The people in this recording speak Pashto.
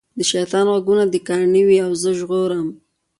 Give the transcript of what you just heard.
د شیطان غوږونه دي کاڼه وي او زه ژغورم.